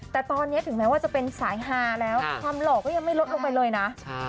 แต่ตอนนี้ถึงแม้ว่าจะเป็นสายฮาแล้วความหล่อก็ยังไม่ลดลงไปเลยนะ